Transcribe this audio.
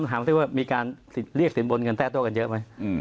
ถามสิว่ามีการเรียกสินบนเงินแทร่โต้กันเยอะไหม